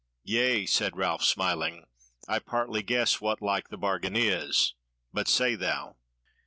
"Yea," said Ralph, smiling, "I partly guess what like the bargain is; but say thou."